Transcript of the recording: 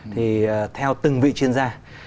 thì theo từng vị chuyên gia